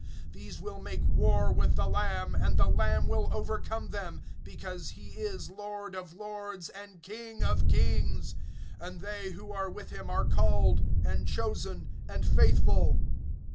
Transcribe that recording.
(14)These will make war with the Lamb, and the Lamb will overcome them; because he is Lord of lords, and King of kings; and they who are with him are called, and chosen, and faithful.